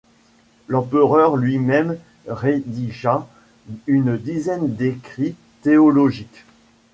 L’empereur lui-même rédigea une dizaine d’écrits théologiques.